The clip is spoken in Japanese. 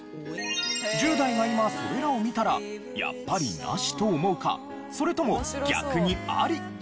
１０代が今それらを見たらやっぱりナシと思うかそれとも逆にアリと思うのか。